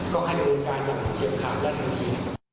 ก็อันดูการจับเชียบขาดและสังที